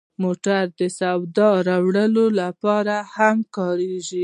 موټر د سودا راوړلو لپاره هم کارېږي.